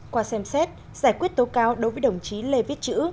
hai qua xem xét giải quyết tố cao đối với đồng chí lê viết chữ